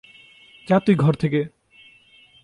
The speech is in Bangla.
যা তুই ঘর থেকে।